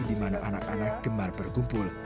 di mana anak anak gemar berkumpul